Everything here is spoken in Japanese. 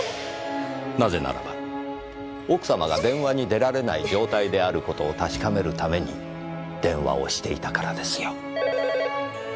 なぜならば奥様が電話に出られない状態である事を確かめるために電話をしていたからですよ。